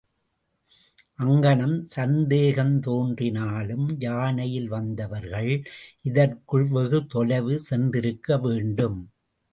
அங்ஙனம் சந்தேகந் தோன்றினாலும் யானையில் வந்தவர்கள் இதற்குள் வெகு தொலைவு சென்றிருக்க வேண்டும்.